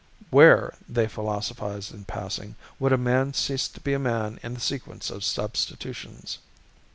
Where, they philosophised in passing, would a man cease to be a man in the sequence of substitutions?